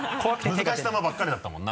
難しい球ばっかりだったもんな。